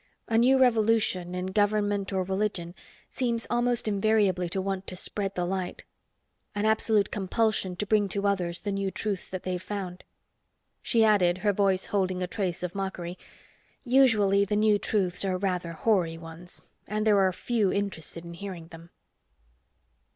"A new revolution, in government or religion, seems almost invariably to want to spread the light. An absolute compulsion to bring to others the new truths that they've found." She added, her voice holding a trace of mockery, "Usually the new truths are rather hoary ones, and there are few interested in hearing them."